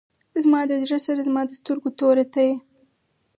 زما د زړه سره زما د سترګو توره ته یې.